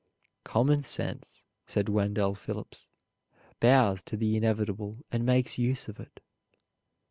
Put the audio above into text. "Common sense," said Wendell Phillips, "bows to the inevitable and makes use of it."